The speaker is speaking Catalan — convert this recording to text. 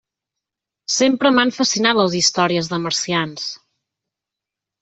Sempre m'han fascinat les històries de marcians.